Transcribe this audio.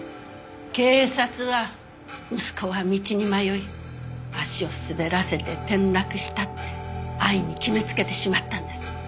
警察は息子は道に迷い足を滑らせて転落したって安易に決めつけてしまったんです。